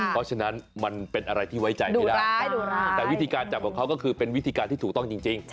เพราะฉะนั้นมันเป็นอะไรที่ไว้ใจไม่ได้แต่วิธีการจับของเขาก็คือเป็นวิธีการที่ถูกต้องจริง